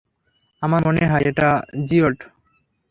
আমার মনে হয়, এটা জিওড!